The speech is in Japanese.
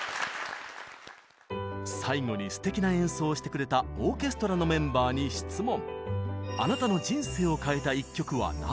最後にすてきな演奏をしてくれたオーケストラのメンバーに質問。